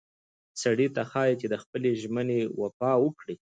سړي ته ښایي چې د خپلې ژمنې وفا وکړي.